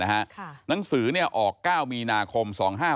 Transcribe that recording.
หนังสือออก๙มีนาคม๒๕๖